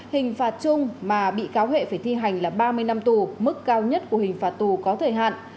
hình phạt chung mà bị cáo huệ phải thi hành là ba mươi năm tù mức cao nhất của hình phạt tù có thời hạn